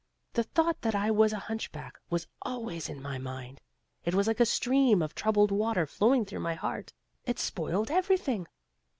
The thought that I was a hunchback, was always in my mind. It was like a stream of troubled water flowing through my heart; it spoiled everything.